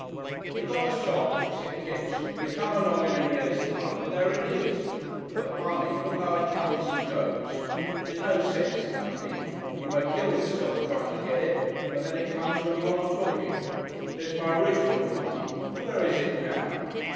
"You got a shop," said Kipps, "and you come along in a year's time and there it is. But money look 'ow it come and goes! There's no sense in money. You may kill yourself trying to get it, and then it comes when you aren't looking. There's my 'riginal money! Where is it now?